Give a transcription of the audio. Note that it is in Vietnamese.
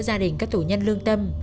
gia đình các tù nhân lương tâm